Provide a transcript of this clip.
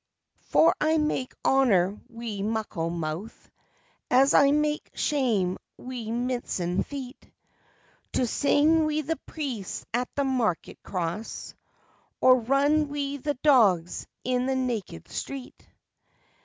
"For I make Honour wi' muckle mouth, As I make Shame wi' mincin' feet, To sing wi' the priests at the market cross, Or run wi' the dogs in the naked street.